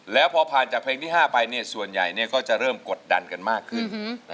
แล้วพอผ่านจากเพลงที่ห้าไปเนี้ยส่วนใหญ่เนี้ยก็จะเริ่มกดดันกันมากขึ้นอื้อฮือ